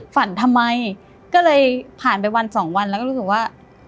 ฝันทำไมก็เลยผ่านไปวันสองวันแล้วก็รู้สึกว่า